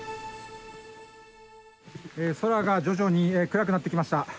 空が徐々に暗くなってきました。